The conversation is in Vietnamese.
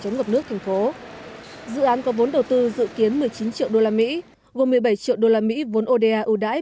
chống ngập nước thành phố dự án có vốn đầu tư dự kiến một mươi chín triệu usd gồm một mươi bảy triệu usd vốn oda ưu đãi